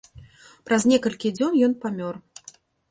Праз некалькі дзён ён памёр.